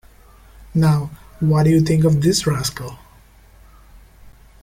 Now, what do you think of this rascal?